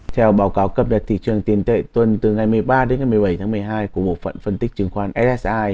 theo báo cáo cấp đặt thị trường tiền tệ tuần từ ngày một mươi ba đến ngày một mươi bảy tháng một mươi hai của một phận phân tích chứng khoán lsi